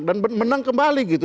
dan menang kembali gitu